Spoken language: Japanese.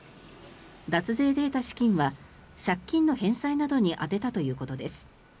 脱税で得た資金は借金の返済などに充てたということです。